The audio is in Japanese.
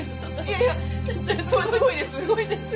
いやすごい。